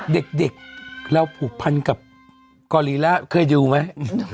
เด็กเราผูกพันกับกอรีระเคยดูไหม